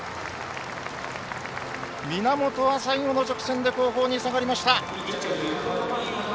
源が最後の直線で後方に下がりました。